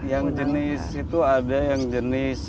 yang jenis itu ada yang jenis